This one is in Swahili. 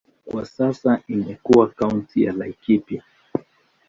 Kwa sasa imekuwa kaunti ya Laikipia.